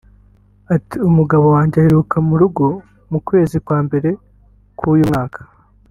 Ati "Umugabo wanjye aheruka mu rugo mu kwezi kwa mbere k’uyu mwaka